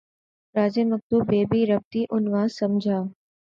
رازِ مکتوب بہ بے ربطیٴ عنواں سمجھا